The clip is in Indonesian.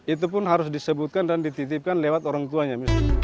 itu pun harus disebutkan dan dititipkan lewat orang tuanya